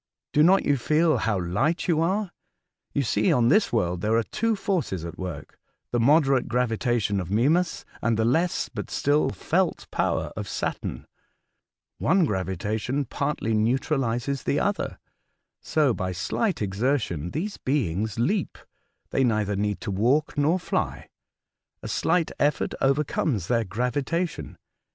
Do not you feel how light you are? You see on this world there are two forces ^t work — the moderate gravitation of Mimas and the less but still felt power of Saturn. One gravitation partly neutralises the other. So by slight exertion these beings leap, — they neither need to walk nor fly ; a slight effort overcomes their gravitation.